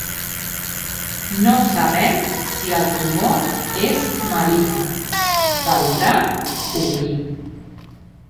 No sabem si el tumor és maligne: caldrà obrir.